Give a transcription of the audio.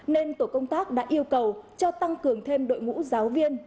nên tổ công tác đã yêu cầu cho tăng cường thêm đội ngũ giáo viên